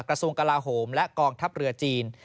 กระทรวงกลาโหมและกองทัพเรือจีน